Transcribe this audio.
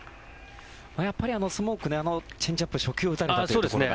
やっぱりスモークあのチェンジアップを初球打たれたというところが。